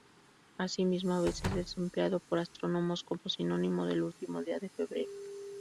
Asimismo, a veces, es empleado por astrónomos como sinónimo del último día de febrero.